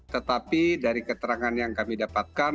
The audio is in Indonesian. tetapi dari keterangan yang kami dapatkan